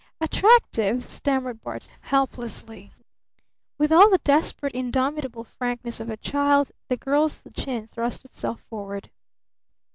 "Attractive?" stammered Barton helplessly. With all the desperate, indomitable frankness of a child, the girl's chin thrust itself forward.